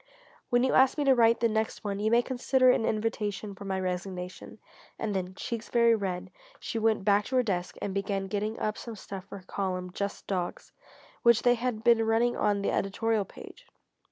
When you ask me to write the next one, you may consider it an invitation for my resignation." And then, cheeks very red, she went back to her desk and began getting up some stuff for her column "Just Dogs," which they had been running on the editorial page.